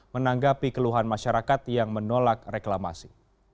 menanggapi keluhan masyarakat yang menolak reklamasi